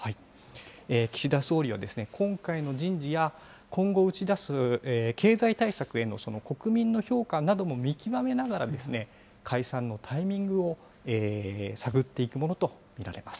岸田総理は、今回の人事や、今後打ち出す経済対策への国民の評価なども見極めながらですね、解散のタイミングを探っていくものと見られます。